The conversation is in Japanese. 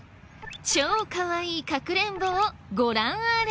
超かわいいかくれんぼをご覧あれ。